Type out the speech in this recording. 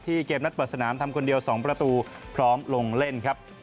เกมนัดเปิดสนามทำคนเดียว๒ประตูพร้อมลงเล่นครับ